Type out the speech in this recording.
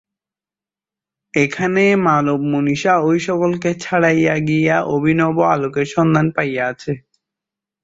এখানে মানব-মনীষা ঐ-সকলকে ছাড়াইয়া গিয়া অভিনব আলোকের সন্ধান পাইয়াছে।